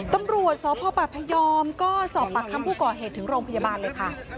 ตำรวจสพปพยอมก็สอบปากคำผู้ก่อเหตุถึงโรงพยาบาลเลยค่ะ